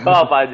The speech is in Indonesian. oh apa aja